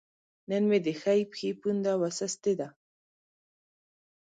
نن مې د ښۍ پښې پونده وسستې ده